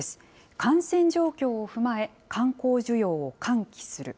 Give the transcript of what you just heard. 感染状況を踏まえ、観光需要を喚起する。